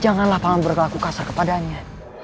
janganlah pangan berlaku kasar kepadanya